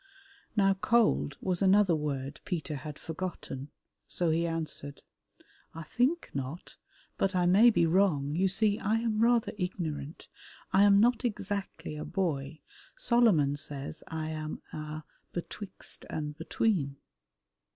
Now cold was another word Peter had forgotten, so he answered, "I think not, but I may be wrong: you see I am rather ignorant. I am not exactly a boy, Solomon says I am a Betwixt and Between."